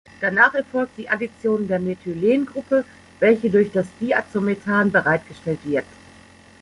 Danach erfolgt die Addition der Methylengruppe, welche durch das Diazomethan bereitgestellt wird.